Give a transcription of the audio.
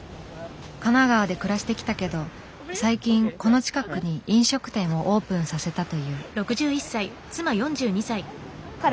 神奈川で暮らしてきたけど最近この近くに飲食店をオープンさせたという。